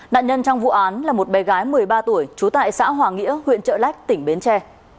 nạn nhân trong vụ án là một bé gái một mươi ba tuổi trú tại xã hòa nghĩa huyện trợ lách tỉnh bến tre